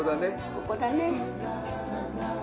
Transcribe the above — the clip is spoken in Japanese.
ここだね。